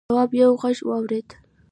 تواب یوه غږ واورېد.